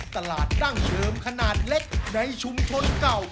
ดั้งเดิมขนาดเล็กในชุมชนเก่า